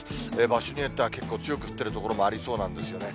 場所によっては結構強く降ってる所もありそうなんですよね。